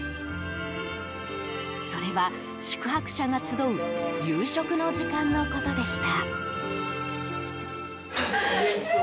それは、宿泊者が集う夕食の時間のことでした。